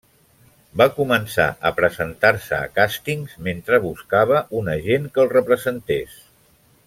Va començar a presentar-se a càstings mentre buscava un agent que el representés.